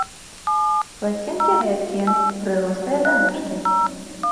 Пласцінкі рэдкія, прырослыя да ножкі.